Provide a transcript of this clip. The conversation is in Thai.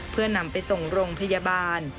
เพื่อนำไปส่งโรงพยาบาล